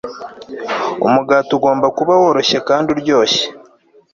Umugati ugomba kuba woroshye kandi uryoshye